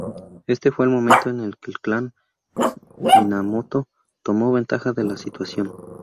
Ese fue el momento en que el clan Minamoto tomó ventaja de la situación.